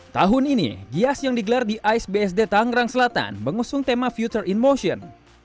tahun ini gias yang digelar di ais bsd tangerang selatan mengusung tema futer in motion